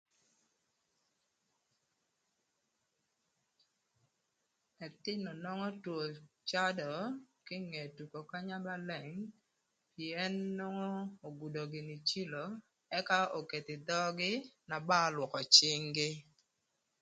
Ëthïnö nwongo two cadö kinge tuko kanya ba leng, pïën nwongo ogudo gïnï cilo ëka oketho ï dhögï na ba ölwökö cïng-gï